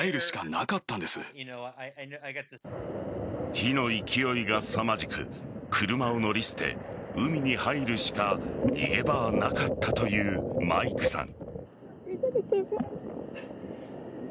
火の勢いがすさまじく車を乗り捨て海に入るしか逃げ場はなかったというマイクさん。